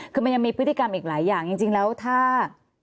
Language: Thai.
คือมันยังมีพฤติกรรมอีกหลายอย่างจริงแล้วถ้า